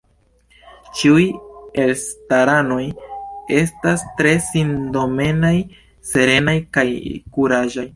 Ĉiuj estraranoj estas tre sindonemaj, serenaj kaj kuraĝaj.